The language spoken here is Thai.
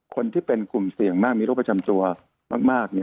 คนที่เป็นกลุ่มเสี่ยงมากมีโรคประจำตัวมาก